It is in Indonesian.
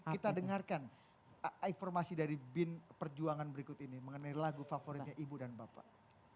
kita dengarkan informasi dari bin perjuangan berikut ini mengenai lagu favoritnya ibu dan bapak